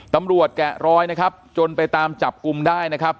แกะรอยนะครับจนไปตามจับกลุ่มได้นะครับ